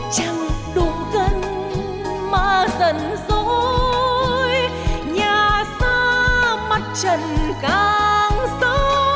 chẳng đủ gần mà dần dối nhà xa mắt trần càng xa